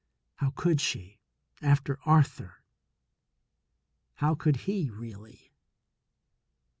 How could she, after Arthur? How could he, really?